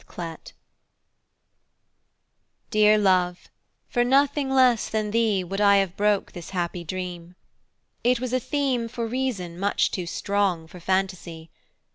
The Dream DEAR love, for nothing less than theeWould I have broke this happy dream; It was a themeFor reason, much too strong for fantasy.